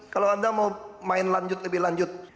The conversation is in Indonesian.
kalau anda mau main lanjut lebih lanjut